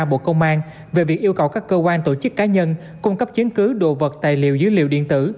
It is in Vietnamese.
bộ công an về việc yêu cầu các cơ quan tổ chức cá nhân cung cấp chứng cứ đồ vật tài liệu dữ liệu điện tử